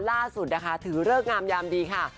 ล่าสุดนะคะถือเลิกงามยามดีค่ะ